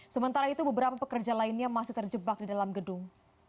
sementara itu beberapa pekerja lainnya masih terjebak di dalam gedung